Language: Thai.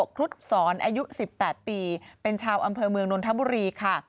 ครุฑศรอายุ๑๘ปีเป็นชาวอำเภอเมืองนนทบุรีค่ะ